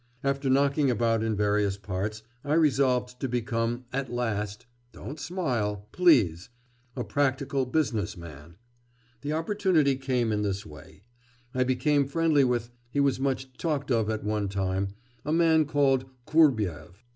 After knocking about in various parts, I resolved to become at last don't smile, please a practical business man. The opportunity came in this way. I became friendly with he was much talked of at one time a man called Kurbyev.